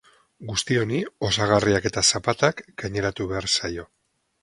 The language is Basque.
Guzti honi osagarriak eta zapatak gaineratu behar zaio.